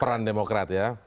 peran demokrat ya